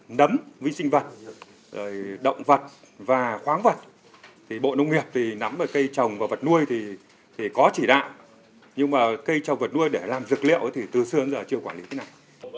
nấm vi sinh vật động vật và khoáng vật thì bộ nông nghiệp thì nắm về cây trồng và vật nuôi thì có chỉ đạo nhưng mà cây cho vật nuôi để làm dược liệu thì từ xưa đến giờ chưa quản lý thế nào